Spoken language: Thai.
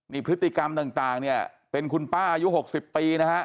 นี่พฤติกรรมต่างต่างเนี้ยเป็นคุณป้าอายุหกสิบปีนะฮะ